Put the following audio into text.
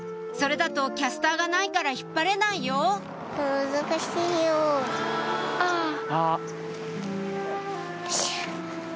それだとキャスターがないから引っ張れないよあぁ。